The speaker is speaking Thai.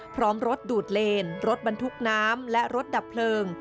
พร้อมรถดูดเลนรถบรรทุกน้ำและรถดับเพลิง